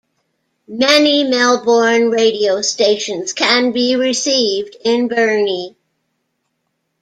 Many Melbourne radio stations can be received in Burnie.